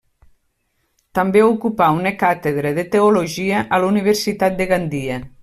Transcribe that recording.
També ocupà una càtedra de teologia a la Universitat de Gandia.